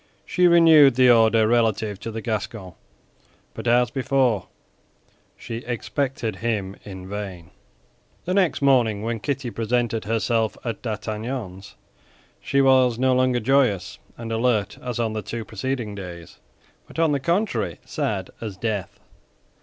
She renewed the order relative to the Gascon; but as before she expected him in vain. The next morning, when Kitty presented herself at D'Artagnan's, she was no longer joyous and alert as on the two preceding days; but on the contrary sad as death.